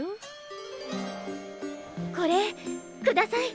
これください。